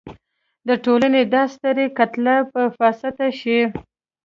د ټولنې دا ستره کتله به فاسده شي.